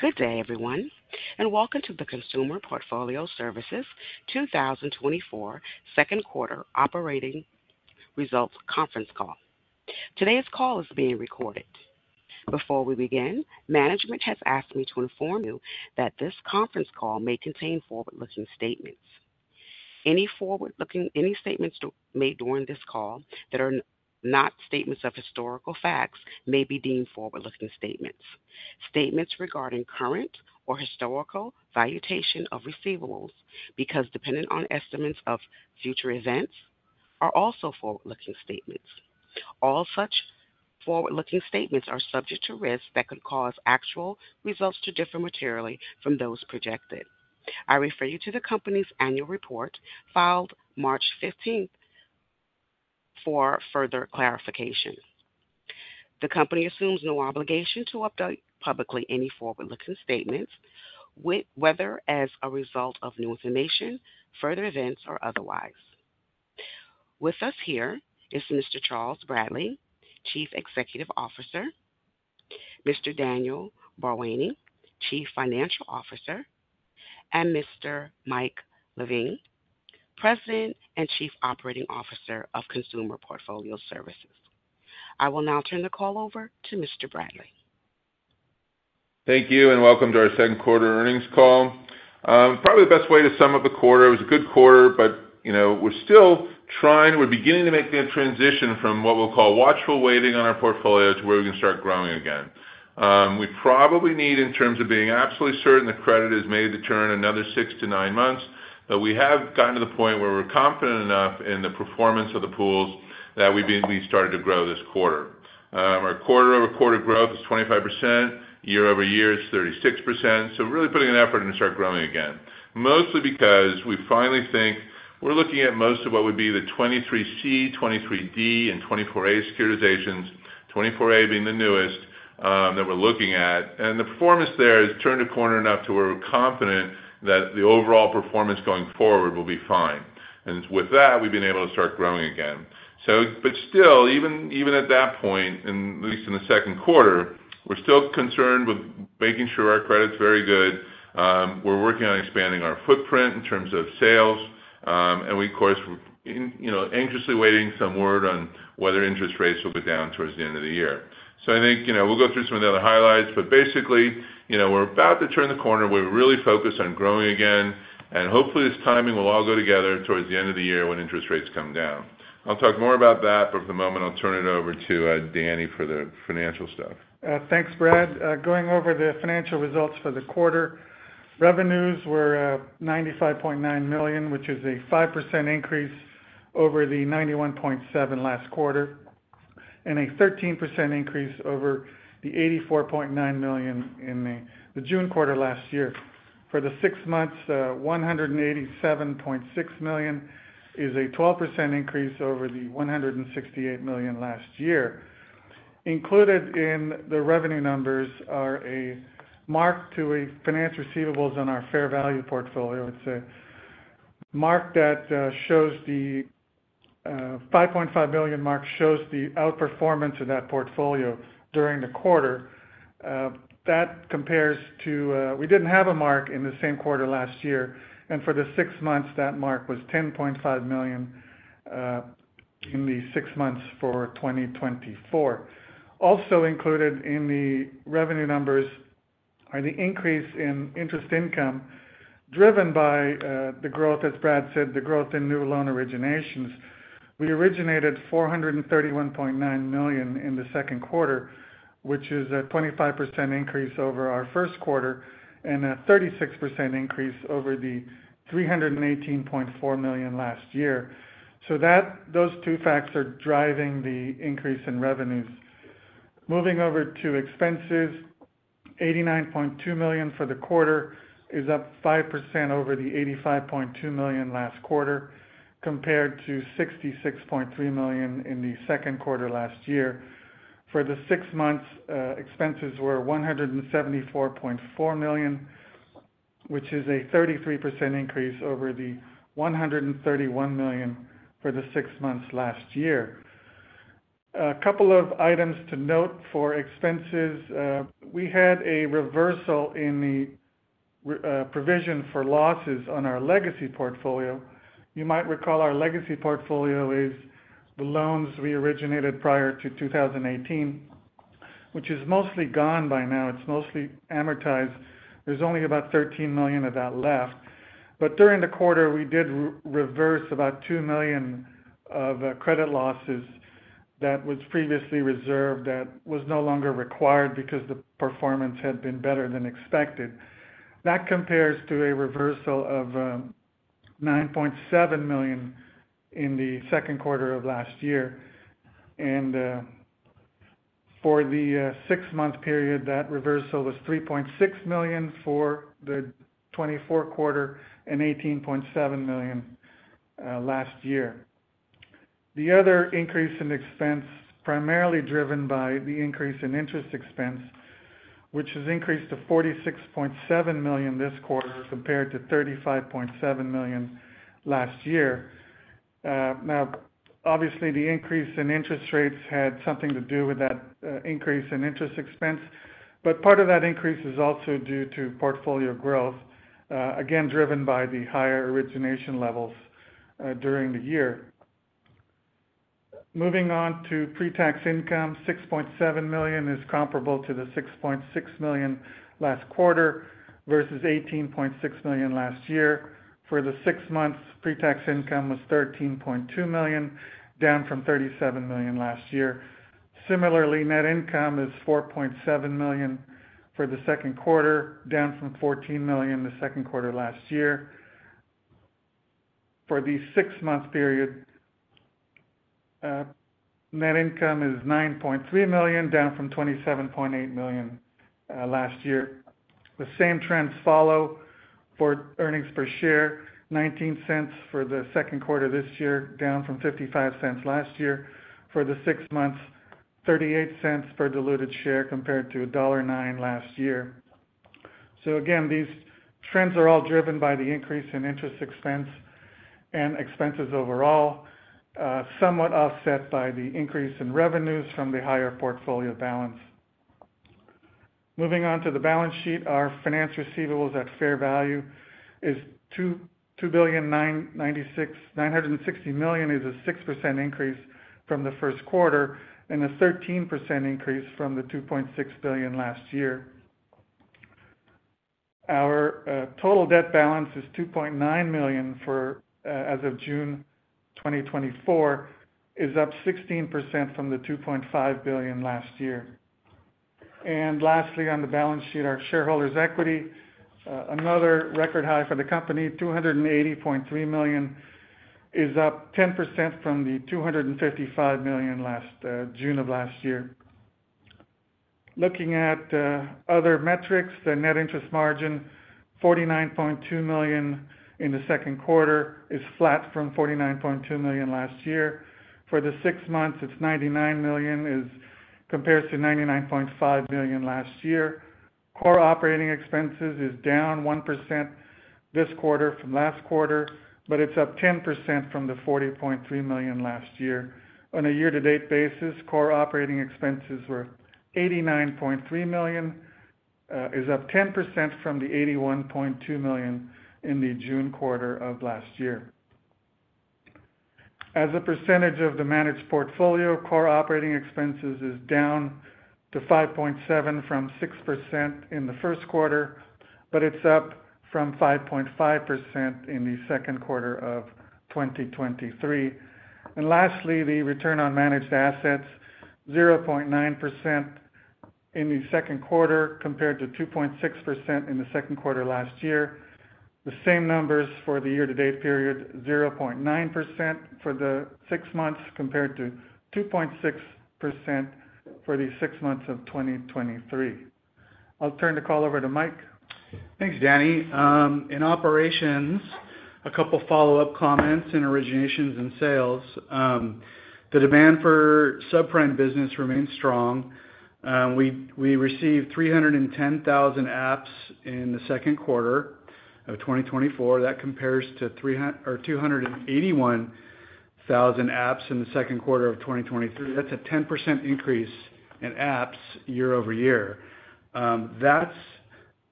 Good day, everyone, and welcome to the Consumer Portfolio Services 2024 second quarter operating results conference call. Today's call is being recorded. Before we begin, management has asked me to inform you that this conference call may contain forward-looking statements. Any statements made during this call that are not statements of historical facts may be deemed forward-looking statements. Statements regarding current or historical valuation of receivables, because dependent on estimates of future events, are also forward-looking statements. All such forward-looking statements are subject to risks that could cause actual results to differ materially from those projected. I refer you to the company's annual report filed March 15th for further clarification. The company assumes no obligation to update publicly any forward-looking statements, whether as a result of new information, further events, or otherwise. With us here is Mr. Charles Bradley, Chief Executive Officer; Mr. Danny Bharwani, Chief Financial Officer; and Mr. Mike Lavin, President and Chief Operating Officer of Consumer Portfolio Services. I will now turn the call over to Mr. Bradley. Thank you, and welcome to our second quarter earnings call. Probably the best way to sum up the quarter: it was a good quarter, but we're still trying. We're beginning to make the transition from what we'll call watchful waiting on our portfolio to where we can start growing again. We probably need, in terms of being absolutely certain, the credit is made to turn another six to nine months. But we have gotten to the point where we're confident enough in the performance of the pools that we've at least started to grow this quarter. Our quarter-over-quarter growth is 25%. Year-over-year, it's 36%. So we're really putting in an effort to start growing again, mostly because we finally think we're looking at most of what would be the 2023-C, 2023-D, and 2024-A securitizations, 2024-A being the newest that we're looking at. And the performance there has turned a corner enough to where we're confident that the overall performance going forward will be fine. And with that, we've been able to start growing again. But still, even at that point, and at least in the second quarter, we're still concerned with making sure our credit's very good. We're working on expanding our footprint in terms of sales. And we, of course, are anxiously waiting some word on whether interest rates will go down towards the end of the year. So I think we'll go through some of the other highlights. But basically, we're about to turn the corner. We're really focused on growing again. And hopefully, this timing will all go together towards the end of the year when interest rates come down. I'll talk more about that, but for the moment, I'll turn it over to Danny for the financial stuff. Thanks, Brad. Going over the financial results for the quarter, revenues were $95.9 million, which is a 5% increase over the $91.7 million last quarter, and a 13% increase over the $84.9 million in the June quarter last year. For the six months, $187.6 million is a 12% increase over the $168 million last year. Included in the revenue numbers are a mark-to-market on finance receivables on our fair value portfolio. It's a mark that shows the $5.5 million mark shows the outperformance of that portfolio during the quarter. That compares to we didn't have a mark in the same quarter last year. And for the six months, that mark was $10.5 million in the six months for 2024. Also included in the revenue numbers are the increase in interest income driven by the growth, as Brad said, the growth in new loan originations. We originated $431.9 million in the second quarter, which is a 25% increase over our first quarter and a 36% increase over the $318.4 million last year. So those two facts are driving the increase in revenues. Moving over to expenses, $89.2 million for the quarter is up 5% over the $85.2 million last quarter, compared to $66.3 million in the second quarter last year. For the six months, expenses were $174.4 million, which is a 33% increase over the $131 million for the six months last year. A couple of items to note for expenses. We had a reversal in the provision for losses on our legacy portfolio. You might recall our legacy portfolio is the loans we originated prior to 2018, which is mostly gone by now. It's mostly amortized. There's only about $13 million of that left. During the quarter, we did reverse about $2 million of credit losses that was previously reserved that was no longer required because the performance had been better than expected. That compares to a reversal of $9.7 million in the second quarter of last year. For the six-month period, that reversal was $3.6 million for the 2024 quarter and $18.7 million last year. The other increase in expense, primarily driven by the increase in interest expense, which has increased to $46.7 million this quarter compared to $35.7 million last year. Now, obviously, the increase in interest rates had something to do with that increase in interest expense. Part of that increase is also due to portfolio growth, again, driven by the higher origination levels during the year. Moving on to pre-tax income, $6.7 million is comparable to the $6.6 million last quarter versus $18.6 million last year. For the six months, pre-tax income was $13.2 million, down from $37 million last year. Similarly, net income is $4.7 million for the second quarter, down from $14 million the second quarter last year. For the six-month period, net income is $9.3 million, down from $27.8 million last year. The same trends follow for earnings per share: $0.19 for the second quarter this year, down from $0.55 last year. For the six months, $0.38 per diluted share compared to $1.09 last year. So again, these trends are all driven by the increase in interest expense and expenses overall, somewhat offset by the increase in revenues from the higher portfolio balance. Moving on to the balance sheet, our finance receivables at fair value is $2,960,000, is a 6% increase from the first quarter and a 13% increase from the $2.6 billion last year. Our total debt balance is $2.9 million as of June 2024, is up 16% from the $2.5 billion last year. And lastly, on the balance sheet, our shareholders' equity, another record high for the company, $280.3 million, is up 10% from the $255 million last June of last year. Looking at other metrics, the net interest margin, $49.2 million in the second quarter, is flat from $49.2 million last year. For the six months, it's $99 million, compares to $99.5 million last year. Core operating expenses is down 1% this quarter from last quarter, but it's up 10% from the $40.3 million last year. On a year-to-date basis, core operating expenses were $89.3 million, is up 10% from the $81.2 million in the June quarter of last year. As a percentage of the managed portfolio, core operating expenses is down to 5.7% from 6% in the first quarter, but it's up from 5.5% in the second quarter of 2023. And lastly, the return on managed assets, 0.9% in the second quarter compared to 2.6% in the second quarter last year. The same numbers for the year-to-date period, 0.9% for the six months compared to 2.6% for the six months of 2023. I'll turn the call over to Mike. Thanks, Danny. In operations, a couple of follow-up comments in originations and sales. The demand for subprime business remains strong. We received 310,000 apps in the second quarter of 2024. That compares to 281,000 apps in the second quarter of 2023. That's a 10% increase in apps year-over-year. That's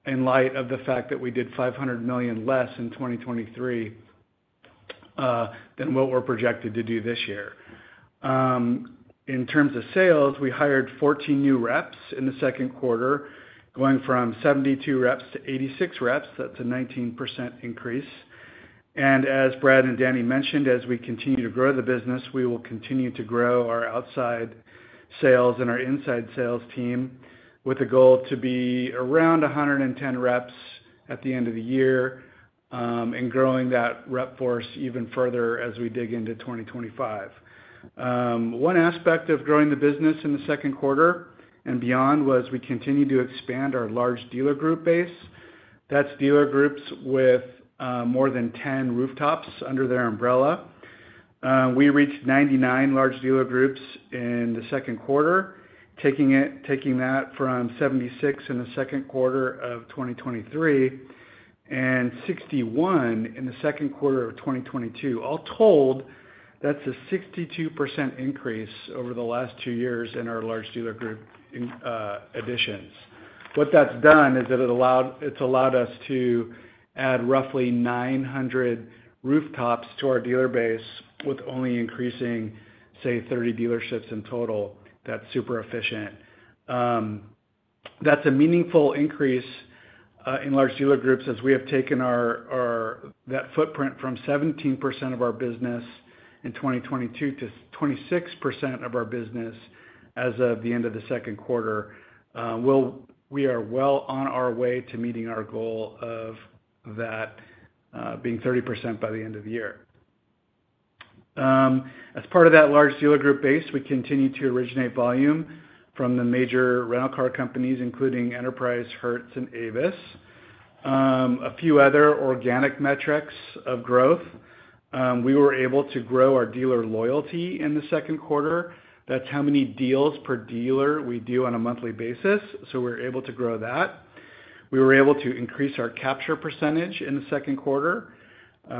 in light of the fact that we did $500 million less in 2023 than what we're projected to do this year. In terms of sales, we hired 14 new reps in the second quarter, going from 72 reps to 86 reps. That's a 19% increase. And as Brad and Danny mentioned, as we continue to grow the business, we will continue to grow our outside sales and our inside sales team with a goal to be around 110 reps at the end of the year and growing that rep force even further as we dig into 2025. One aspect of growing the business in the second quarter and beyond was we continue to expand our large dealer group base. That's dealer groups with more than 10 rooftops under their umbrella. We reached 99 large dealer groups in the second quarter, taking that from 76 in the second quarter of 2023 and 61 in the second quarter of 2022. All told, that's a 62% increase over the last two years in our large dealer group additions. What that's done is that it's allowed us to add roughly 900 rooftops to our dealer base with only increasing, say, 30 dealerships in total. That's super efficient. That's a meaningful increase in large dealer groups as we have taken that footprint from 17% of our business in 2022 to 26% of our business as of the end of the second quarter. We are well on our way to meeting our goal of that being 30% by the end of the year. As part of that large dealer group base, we continue to originate volume from the major rental car companies, including Enterprise, Hertz, and Avis. A few other organic metrics of growth. We were able to grow our dealer loyalty in the second quarter. That's how many deals per dealer we do on a monthly basis. So we're able to grow that. We were able to increase our capture percentage in the second quarter.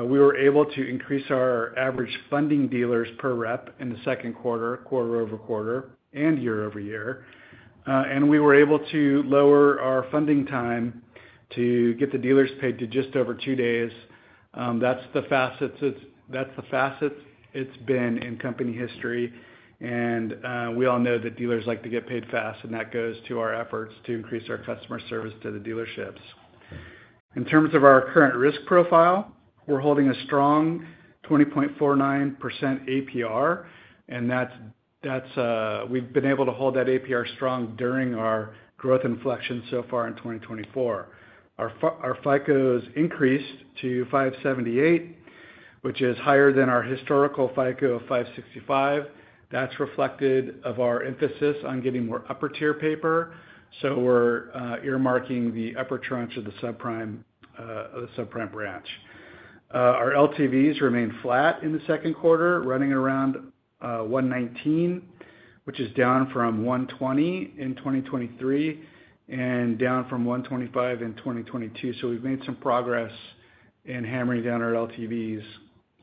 We were able to increase our average funding dealers per rep in the second quarter, quarter-over-quarter, and year-over-year. And we were able to lower our funding time to get the dealers paid to just over two days. That's the fastest it's been in company history. We all know that dealers like to get paid fast, and that goes to our efforts to increase our customer service to the dealerships. In terms of our current risk profile, we're holding a strong 20.49% APR. We've been able to hold that APR strong during our growth inflection so far in 2024. Our FICO has increased to 578, which is higher than our historical FICO of 565. That's reflected in our emphasis on getting more upper-tier paper. We're earmarking the upper tranche of the subprime branch. Our LTVs remain flat in the second quarter, running around 119, which is down from 120 in 2023 and down from 125 in 2022. We've made some progress in hammering down our LTVs,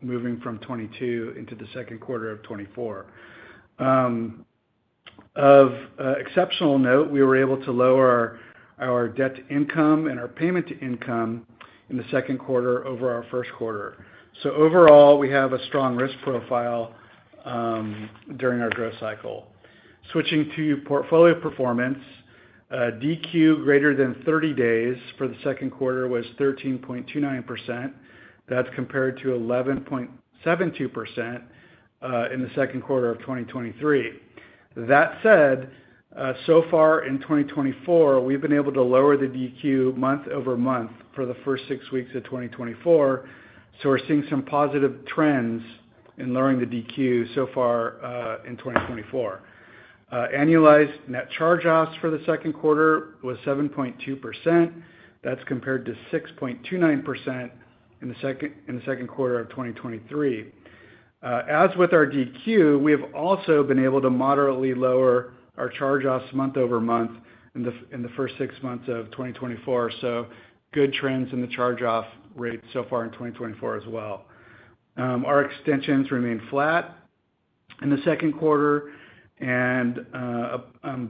moving from 2022 into the second quarter of 2024. Of exceptional note, we were able to lower our debt to income and our payment to income in the second quarter over our first quarter. So overall, we have a strong risk profile during our growth cycle. Switching to portfolio performance, DQ greater than 30 days for the second quarter was 13.29%. That's compared to 11.72% in the second quarter of 2023. That said, so far in 2024, we've been able to lower the DQ month-over-month for the first 6 weeks of 2024. So we're seeing some positive trends in lowering the DQ so far in 2024. Annualized net charge-offs for the second quarter was 7.2%. That's compared to 6.29% in the second quarter of 2023. As with our DQ, we have also been able to moderately lower our charge-offs month-over-month in the first 6 months of 2024. So good trends in the charge-off rate so far in 2024 as well. Our extensions remain flat in the second quarter. And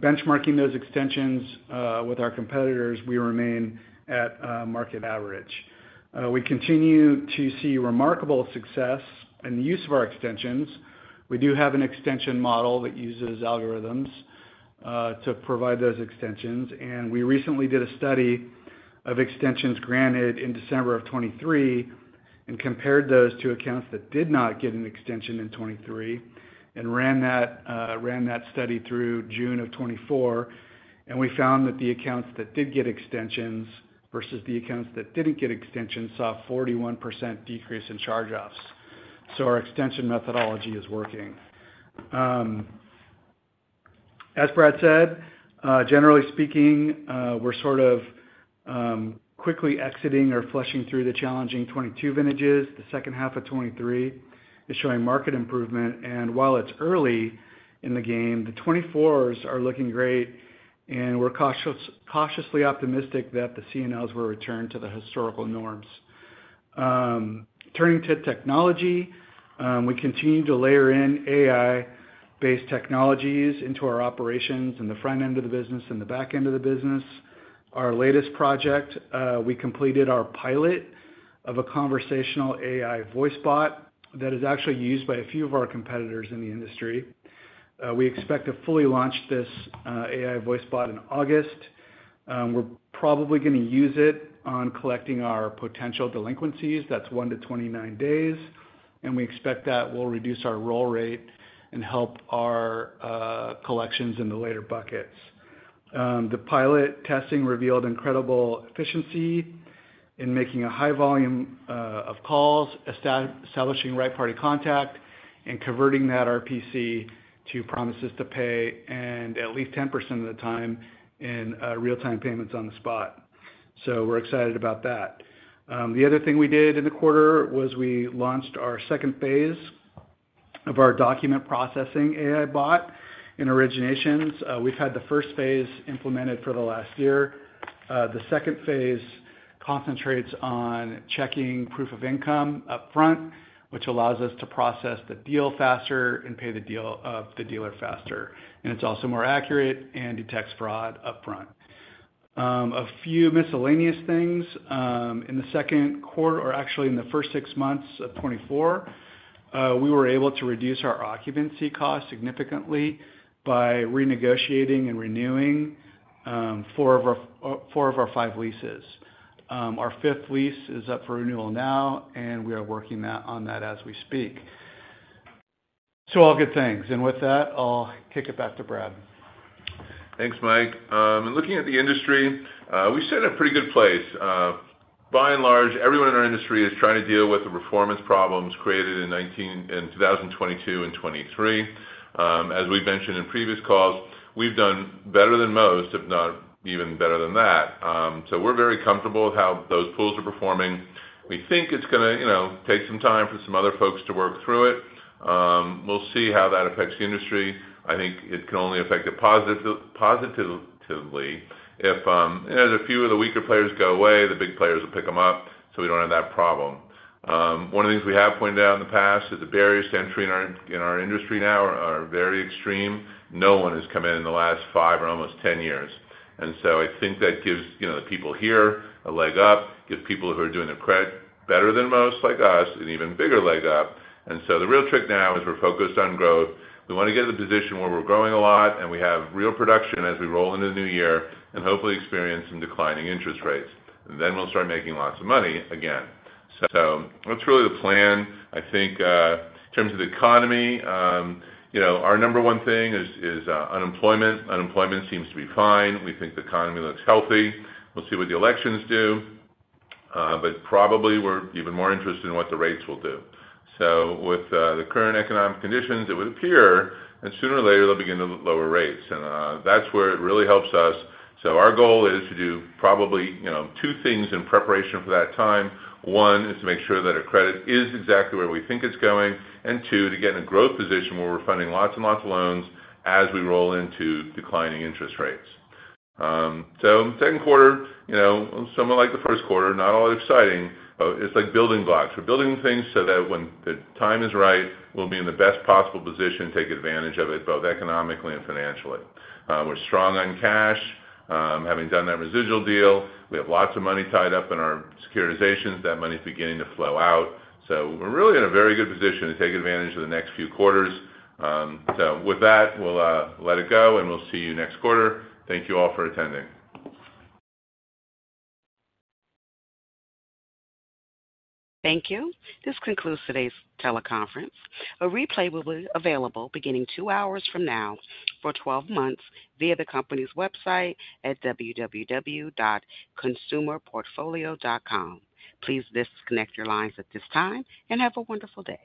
benchmarking those extensions with our competitors, we remain at market average. We continue to see remarkable success in the use of our extensions. We do have an extension model that uses algorithms to provide those extensions. And we recently did a study of extensions granted in December of 2023 and compared those to accounts that did not get an extension in 2023 and ran that study through June of 2024. And we found that the accounts that did get extensions versus the accounts that didn't get extensions saw a 41% decrease in charge-offs. So our extension methodology is working. As Brad said, generally speaking, we're sort of quickly exiting or flushing through the challenging 2022 vintages. The second half of 2023 is showing market improvement. While it's early in the game, the 2024s are looking great. We're cautiously optimistic that the CNLs will return to the historical norms. Turning to technology, we continue to layer in AI-based technologies into our operations in the front end of the business and the back end of the business. Our latest project, we completed our pilot of a conversational AI voice bot that is actually used by a few of our competitors in the industry. We expect to fully launch this AI voice bot in August. We're probably going to use it on collecting our potential delinquencies. That's 1 to 29 days. We expect that will reduce our roll rate and help our collections in the later buckets. The pilot testing revealed incredible efficiency in making a high volume of calls, establishing right-party contact, and converting that RPC to promises to pay at least 10% of the time in real-time payments on the spot. So we're excited about that. The other thing we did in the quarter was we launched our second phase of our document processing AI bot in originations. We've had the first phase implemented for the last year. The second phase concentrates on checking proof of income upfront, which allows us to process the deal faster and pay the dealer faster. And it's also more accurate and detects fraud upfront. A few miscellaneous things in the second quarter, or actually in the first six months of 2024, we were able to reduce our occupancy costs significantly by renegotiating and renewing four of our five leases. Our fifth lease is up for renewal now, and we are working on that as we speak. All good things. With that, I'll kick it back to Brad. Thanks, Mike. And looking at the industry, we sit in a pretty good place. By and large, everyone in our industry is trying to deal with the performance problems created in 2022 and 2023. As we've mentioned in previous calls, we've done better than most, if not even better than that. So we're very comfortable with how those pools are performing. We think it's going to take some time for some other folks to work through it. We'll see how that affects the industry. I think it can only affect it positively if a few of the weaker players go away, the big players will pick them up. So we don't have that problem. One of the things we have pointed out in the past is the barriers to entry in our industry now are very extreme. No one has come in in the last five or almost 10 years. And so I think that gives the people here a leg up, gives people who are doing their credit better than most like us an even bigger leg up. And so the real trick now is we're focused on growth. We want to get to the position where we're growing a lot and we have real production as we roll into the new year and hopefully experience some declining interest rates. And then we'll start making lots of money again. So that's really the plan. I think in terms of the economy, our number one thing is unemployment. Unemployment seems to be fine. We think the economy looks healthy. We'll see what the elections do. But probably we're even more interested in what the rates will do. So with the current economic conditions, it would appear that sooner or later they'll begin to lower rates. And that's where it really helps us. So our goal is to do probably two things in preparation for that time. One is to make sure that our credit is exactly where we think it's going. And two, to get in a growth position where we're funding lots and lots of loans as we roll into declining interest rates. So second quarter, somewhat like the first quarter, not all exciting. It's like building blocks. We're building things so that when the time is right, we'll be in the best possible position to take advantage of it both economically and financially. We're strong on cash. Having done that residual deal, we have lots of money tied up in our securitizations. That money is beginning to flow out. So we're really in a very good position to take advantage of the next few quarters. So with that, we'll let it go and we'll see you next quarter. Thank you all for attending. Thank you. This concludes today's teleconference. A replay will be available beginning two hours from now for 12 months via the company's website at www.consumerportfolio.com. Please disconnect your lines at this time and have a wonderful day.